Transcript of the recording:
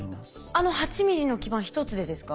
あの８ミリの基板１つでですか？